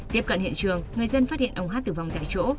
tiếp cận hiện trường người dân phát hiện ông hát tử vong tại chỗ